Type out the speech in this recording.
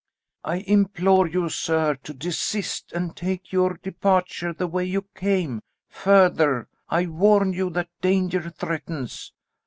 "I implore you, sir, to desist and take your departure the way you came; further, I warn you that danger threatens."